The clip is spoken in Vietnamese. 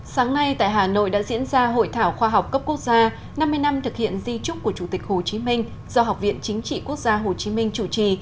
sáng nay tại hà nội đã diễn ra hội thảo khoa học cấp quốc gia năm mươi năm thực hiện di trúc của chủ tịch hồ chí minh do học viện chính trị quốc gia hồ chí minh chủ trì